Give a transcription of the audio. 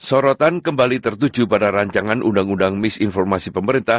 sorotan kembali tertuju pada rancangan undang undang misinformasi pemerintah